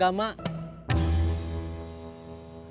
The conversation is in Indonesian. saya cari tentuan agama